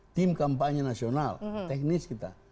itu memang kampanye nasional teknis kita